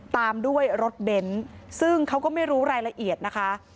ตามด้วยรถเบนท์ซึ่งเขาก็ไม่รู้รายละเอียดนะคะ